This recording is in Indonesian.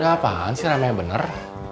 apaan sih namanya bener